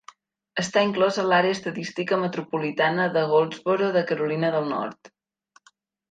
Està inclòs a l'àrea estadística metropolitana de Goldsboro de Carolina del Nord.